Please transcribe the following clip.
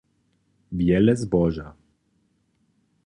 Wjele zboža.